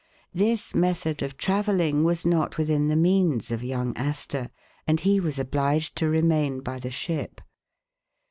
This method of traveling was not within the means 46 England and America of young Astor, and lie was obliged to remain by the ship.